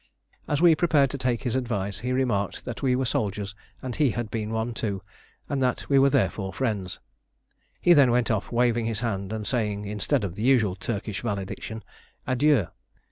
As we prepared to take his advice he remarked that we were soldiers and he had been one too, and that we were therefore friends. He then went off, waving his hand and saying, instead of the usual Turkish valediction, "Adieu."